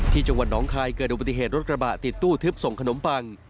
ที่จังหวัดน้องคายเกิดอุบัติเหตุรถกระบะติดตู้ทึบส่งขนมปัง